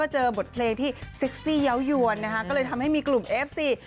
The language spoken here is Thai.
เจอบทเพลงที่เซ็กซี่เยาวยวนนะคะก็เลยทำให้มีกลุ่มเอฟซี